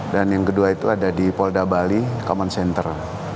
dan yang kedua itu ada di polda bali common center